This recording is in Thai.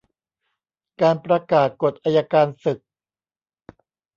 การประกาศกฎอัยการศึก